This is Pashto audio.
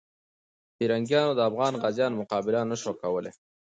پرنګیانو د افغان غازیانو مقابله نه سوه کولای.